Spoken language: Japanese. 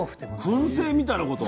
くん製みたいなこと？